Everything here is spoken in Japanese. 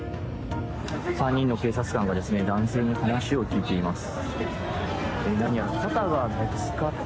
３人の警察官が男性に話を聞いています。